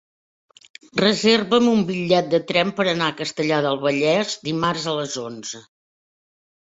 Reserva'm un bitllet de tren per anar a Castellar del Vallès dimarts a les onze.